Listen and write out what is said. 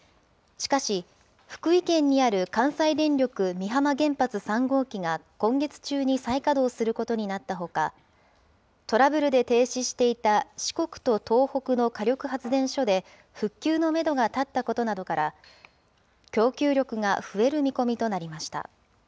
しかし、福井県にある関西電力美浜原発３号機が今月中に再稼働することになったほか、トラブルで停止していた四国と東北の火力発電所で、復旧のメドが立ったことなどから、供給力が増える見込みとなりました。